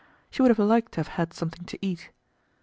She would have liked to have had something to eat.